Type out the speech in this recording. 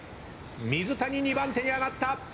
水谷２番手に上がった。